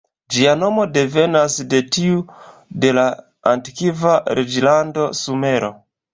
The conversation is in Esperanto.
Ĝia nomo devenas de tiu de la antikva reĝlando Sumero.